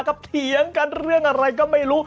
เถียงกันเรื่องอะไรก็ไม่รู้